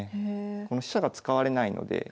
この飛車が使われないので。